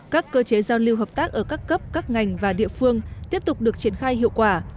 các cơ chế giao lưu hợp tác ở các cấp các ngành và địa phương tiếp tục được triển khai hiệu quả